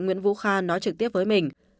nguyễn vũ kha nói trực tiếp với mình